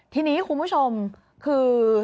ทีนี้คุณผู้ชมคือ